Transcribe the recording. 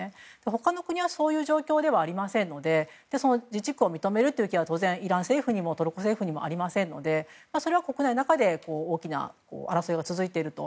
他の国はそういう状況ではありませんので自治区を認める気は当然イラン政府にもトルコ政府にもありませんのでそれは国内で大きな争いが続いていると。